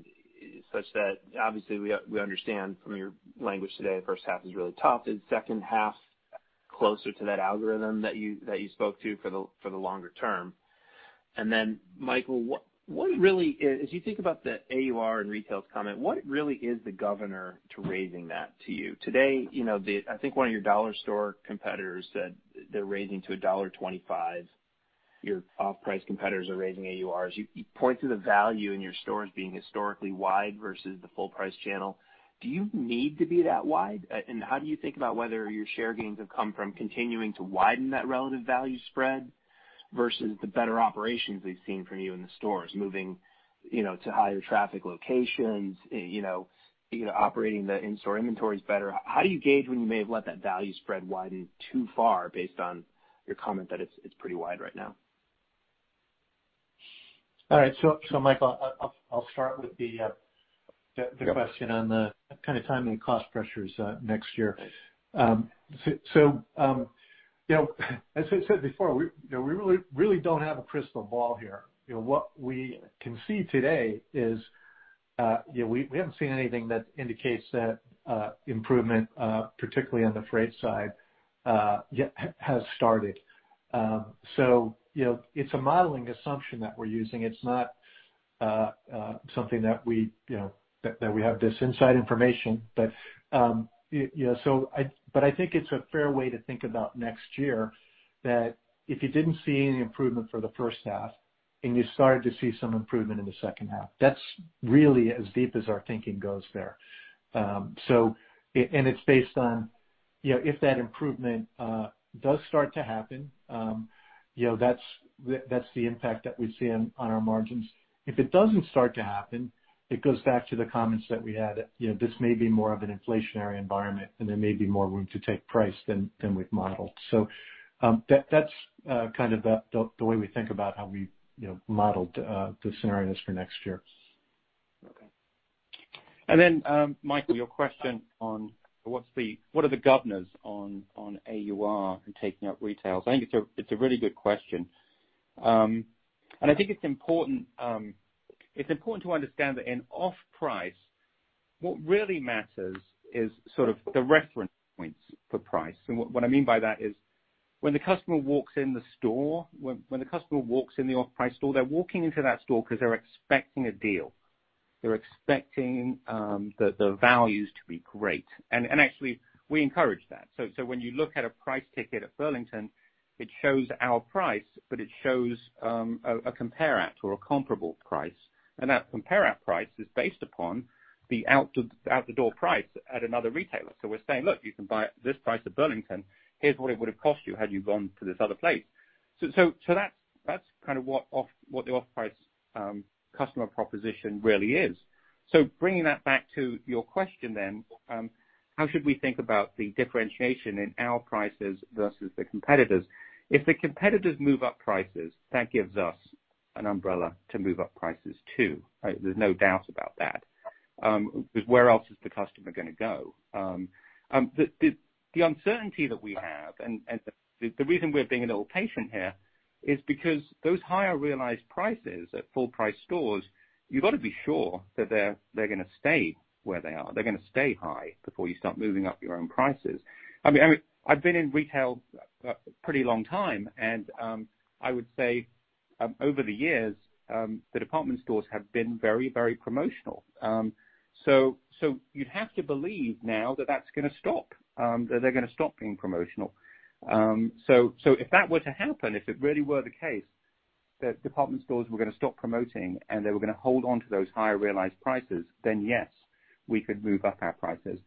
such that. Obviously, we understand from your language today, the first half is really tough. Is second half closer to that algorithm that you spoke to for the longer term? And then, Michael, what really is. As you think about the AUR and retails comment, what really is the governor to raising that to you? Today, you know, the. I think one of your dollar store competitors said they're raising to $1.25. Your off-price competitors are raising AURs. You point to the value in your stores being historically wide versus the full price channel. Do you need to be that wide? And how do you think about whether your share gains have come from continuing to widen that relative value spread versus the better operations we've seen from you in the stores, moving, you know, to higher traffic locations, you know, operating the in-store inventories better? How do you gauge when you may have let that value spread widen too far based on your comment that it's pretty wide right now? All right. Michael, I'll start with the question on the kind of timing and cost pressures next year. You know, as I said before, you know, we really don't have a crystal ball here. You know, what we can see today is you know we haven't seen anything that indicates that improvement, particularly on the freight side, yet has started. You know, it's a modelling assumption that we're using. It's not something that we you know that we have this inside information. I think it's a fair way to think about next year, that if you didn't see any improvement for the first half and you started to see some improvement in the second half, that's really as deep as our thinking goes there. And it's based on, you know, if that improvement does start to happen, you know, that's the impact that we see on our margins. If it doesn't start to happen, it goes back to the comments that we had that, you know, this may be more of an inflationary environment and there may be more room to take price than we've modelled. That's the way we think about how we, you know, modelled the scenarios for next year. Okay. Then, Michael, your question on what are the governors on AUR and taking up retails, I think it's a really good question. I think it's important to understand that in off-price, what really matters is sort of the reference points for price. What I mean by that is when the customer walks in the store, when the customer walks in the off-price store, they're walking into that store because they're expecting a deal. They're expecting the values to be great. Actually we encourage that. So when you look at a price ticket at Burlington, it shows our price, but it shows a compare at or a comparable price. That compare at price is based upon the out the door price at another retailer. We're saying, "Look, you can buy this price at Burlington. Here's what it would've cost you had you gone to this other place." That's kind of what the off-price customer proposition really is. Bringing that back to your question then, how should we think about the differentiation in our prices versus the competitors? If the competitors move up prices, that gives us an umbrella to move up prices too. There's no doubt about that. Because where else is the customer gonna go? The uncertainty that we have and the reason we're being a little patient here is because those higher realized prices at full price stores, you've got to be sure that they're gonna stay where they are. They're gonna stay high before you start moving up your own prices. I mean, I've been in retail a pretty long time and, I would say, over the years, the department stores have been very, very promotional. You'd have to believe now that that's gonna stop, that they're gonna stop being promotional. If that were to happen, if it really were the case that department stores were gonna stop promoting and they were gonna hold on to those higher realized prices, then yes, we could move up our prices.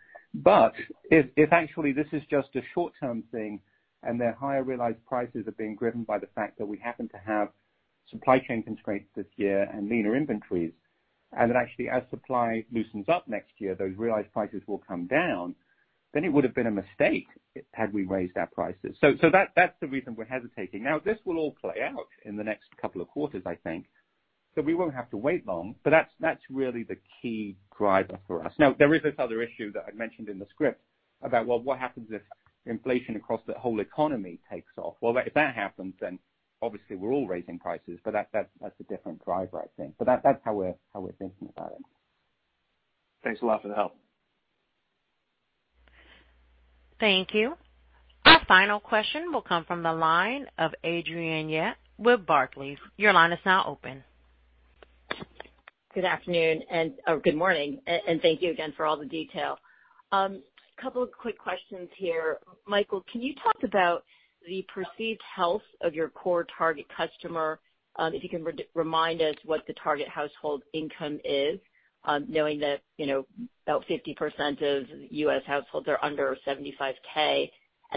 If actually this is just a short term thing and their higher realized prices are being driven by the fact that we happen to have supply chain constraints this year and leaner inventories, and that actually as supply loosens up next year, those realized prices will come down then it would have been a mistake had we raised our prices. That's the reason we're hesitating. Now, this will all play out in the next couple of quarters, I think. We won't have to wait long but that's really the key driver for us. Now, there is this other issue that I mentioned in the script about, well, what happens if inflation across the whole economy takes off? Well, if that happens, then obviously we're all raising prices but that's a different driver, I think. That, that's how we're thinking about it. Thanks a lot for the help. Thank you. Our final question will come from the line of Adrienne Yih with Barclays. Your line is now open. Good morning and thank you again for all the detail. Couple of quick questions here. Michael, can you talk about the perceived health of your core target customer? If you can remind us what the target household income is, knowing that, you know, about 50% of U.S. households are under $75K.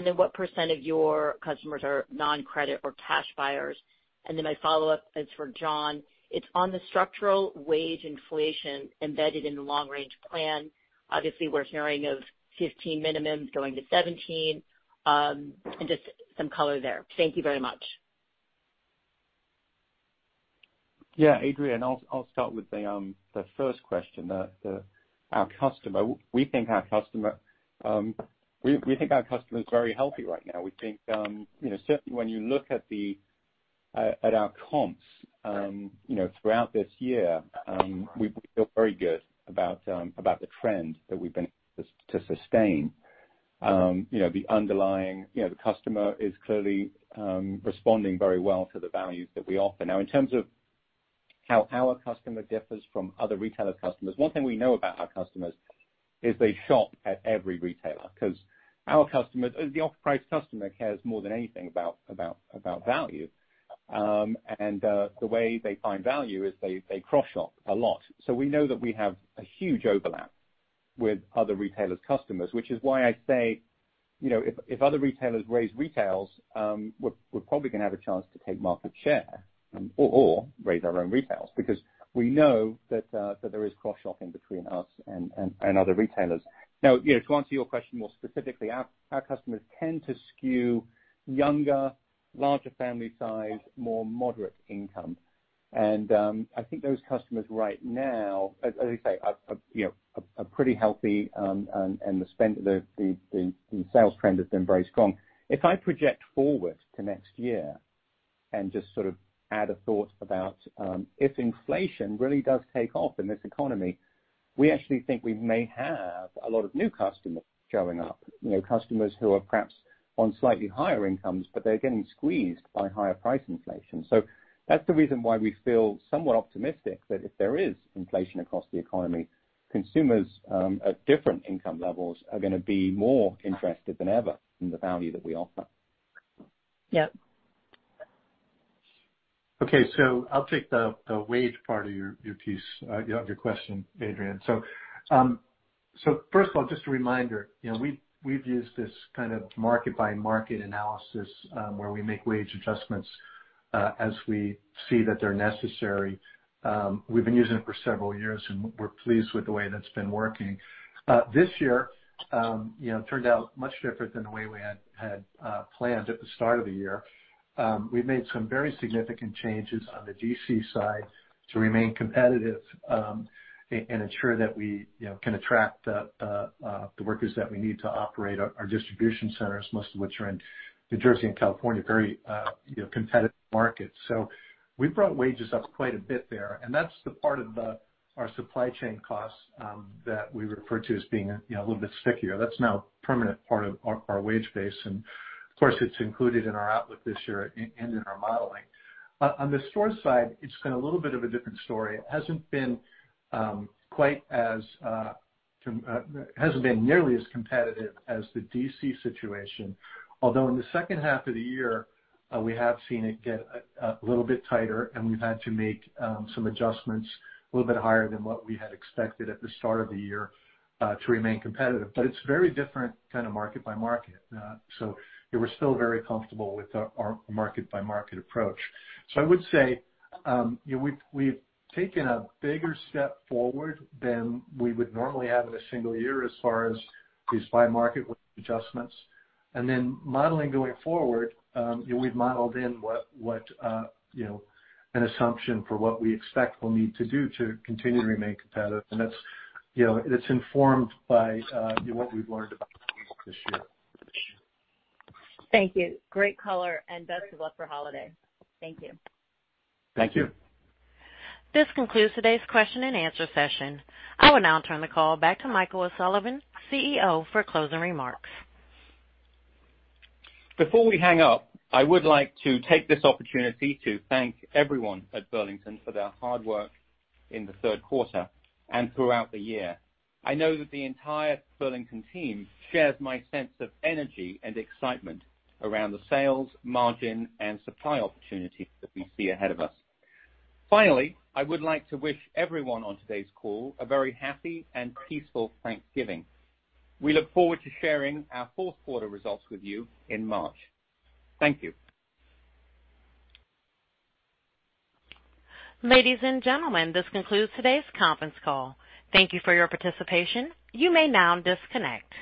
Then what percent of your customers are non-credit or cash buyers? Then my follow-up is for John. It's on the structural wage inflation embedded in the long range plan. Obviously, we're hearing of $15 minimums going to $17, and just some color there. Thank you very much. Yeah, Adrienne, I'll start with the first question. We think our customer is very healthy right now. We think, you know, certainly when you look at our comps, you know, throughout this year, we feel very good about the trend that we've been able to sustain. You know, the underlying, you know, the customer is clearly responding very well to the values that we offer. Now, in terms of how our customer differs from other retailer customers, one thing we know about our customers is they shop at every retailer, because our customers, the off-price customer cares more than anything about value. The way they find value is they cross-shop a lot. We know that we have a huge overlap with other retailers' customers, which is why I say, you know, if other retailers raise retails, we're probably gonna have a chance to take market share or raise our own retails because we know that there is cross-shopping between us and other retailers. Now, you know, to answer your question more specifically, our customers tend to skew younger, larger family size, more moderate income. I think those customers right now, as I say, are pretty healthy, and the sales trend has been very strong. If I project forward to next year and just add a thought about if inflation really does take off in this economy, we actually think we may have a lot of new customers showing up. You know, customers who are perhaps on slightly higher incomes but they're getting squeezed by higher price inflation. That's the reason why we feel somewhat optimistic that if there is inflation across the economy, consumers at different income levels are gonna be more interested than ever in the value that we offer. Yeah. Okay, I'll take the wage part of your piece of your question, Adrienne. First of all, just a reminder, you know, we've used this kind of market-by-market analysis, where we make wage adjustments as we see that they're necessary. We've been using it for several years and we're pleased with the way that's been working. This year, you know, turned out much different than the way we had planned at the start of the year. We've made some very significant changes on the DC side to remain competitive and ensure that we, you know, can attract the workers that we need to operate our distribution centers, most of which are in New Jersey and California, very, you know, competitive markets. We've brought wages up quite a bit there, and that's the part of our supply chain costs that we refer to as being, you know, a little bit stickier. That's now a permanent part of our wage base. Of course, it's included in our outlook this year and in our modelling. On the store side, it's been a little bit of a different story. It hasn't been nearly as competitive as the DC situation. Although in the second half of the year, we have seen it get a little bit tighter and we've had to make some adjustments a little bit higher than what we had expected at the start of the year to remain competitive. It's very different market-by-market. We're still very comfortable with our market-by-market approach. I would say, you know, we've taken a bigger step forward than we would normally have in a single year as far as these by market wage adjustments. Modelling going forward, you know, we've modelled in what you know, an assumption for what we expect we'll need to do to continue to remain competitive. That's, you know, it's informed by what we've learned about this year. Thank you. Great color and best of luck for holiday. Thank you. Thank you. Thank you. This concludes today's question and answer session. I will now turn the call back to Michael O'Sullivan, CEO, for closing remarks. Before we hang up, I would like to take this opportunity to thank everyone at Burlington for their hard work in the third quarter and throughout the year. I know that the entire Burlington team shares my sense of energy and excitement around the sales, margin, and supply opportunities that we see ahead of us. Finally, I would like to wish everyone on today's call a very happy and peaceful Thanksgiving. We look forward to sharing our fourth quarter results with you in March. Thank you. Ladies and gentlemen, this concludes today's conference call. Thank you for your participation. You may now disconnect.